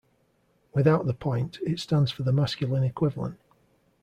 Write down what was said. Without the point, it stands for the masculine equivalent.